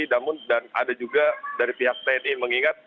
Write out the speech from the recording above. dan ada juga dari pihak tni mengingat